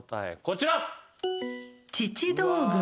こちら。